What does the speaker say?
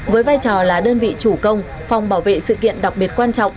với vai trò là đơn vị chủ công phòng bảo vệ sự kiện đặc biệt quan trọng